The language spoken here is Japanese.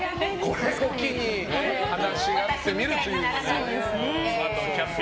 これを機に話し合ってみるというのもね。